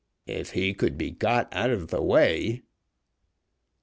"If he could be got out of the way."